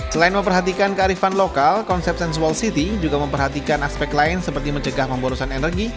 selain memperhatikan kearifan lokal konsep sensual city juga memperhatikan aspek lain seperti mencegah pemborosan energi